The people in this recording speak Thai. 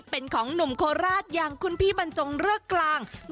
เป็นของหนุ่มโคราชอย่างคุณพี่บรรจงเริกกลาง